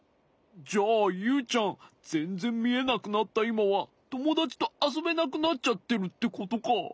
じゃあユウちゃんぜんぜんみえなくなったいまはともだちとあそべなくなっちゃってるってことか？